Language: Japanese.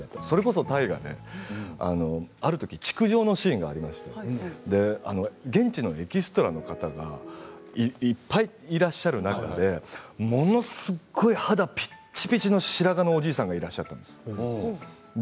それこそ大河で、あるとき築城のシーンがありまして現地のエキストラの方がいっぱいいらっしゃる中でものすごい肌がぴちぴちの白髪のおじいさんがいらっしゃったんです。